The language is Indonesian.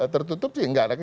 tertutup sih enggak